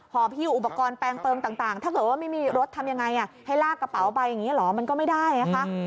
หิ้วอุปกรณ์แปลงเติมต่างถ้าเกิดว่าไม่มีรถทำยังไงให้ลากกระเป๋าไปอย่างนี้เหรอมันก็ไม่ได้นะคะ